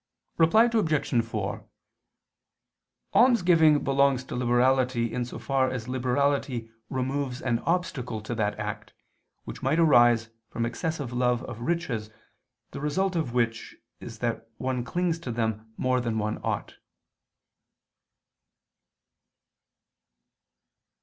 Reply Obj. 4: Almsgiving belongs to liberality, in so far as liberality removes an obstacle to that act, which might arise from excessive love of riches, the result of which is that one clings to them more than one ought.